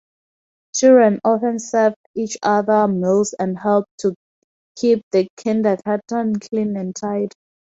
Children often served each other meals and helped keep the kindergarten clean and tidy.